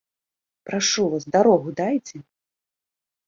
Прашу вас, дарогу дайце!